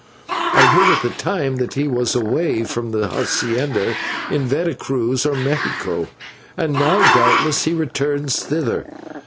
I heard at the time that he was away from the /hacienda/ in Vera Cruz or Mexico, and now doubtless he returns thither.